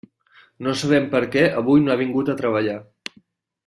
No sabem per què avui no ha vingut a treballar.